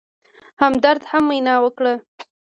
همدرد هم وینا وکړه.